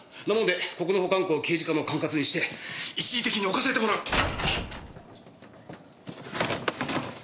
なもんでここの保管庫を刑事課の管轄にして一時的に置かせてもらう。